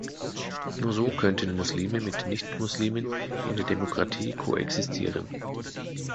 Nur so könnten Muslime mit Nichtmuslimen in der Demokratie koexistieren.